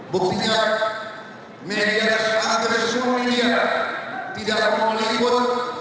buktinya media agresif media tidak mau meliput